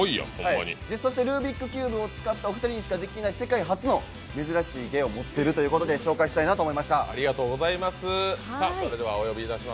そして、ルービックキューブを使った、お二人にしかできない世界初の珍しい芸を持っているということで紹介したいなと思いました。